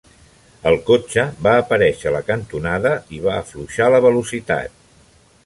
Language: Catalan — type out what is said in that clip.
El cotxe va aparèixer a la cantonada i va afluixar la velocitat.